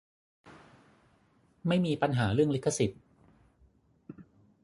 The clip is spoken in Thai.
ไม่มีปัญหาเรื่องลิขสิทธิ์